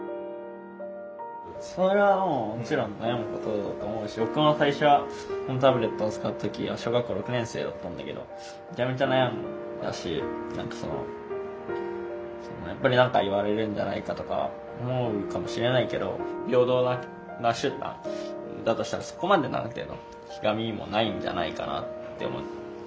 それはもうもちろん悩むことだと思うし僕も最初はこのタブレットを使う時は小学校６年生だったんだけどめちゃめちゃ悩んだし何かそのやっぱり何か言われるんじゃないかとか思うかもしれないけど平等な手段だとしたらそこまで何て言うのひがみもないんじゃないかなって思う。